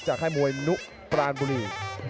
ค่ายมวยนุปรานบุรี